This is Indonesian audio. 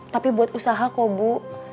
tapi buat usaha kok bu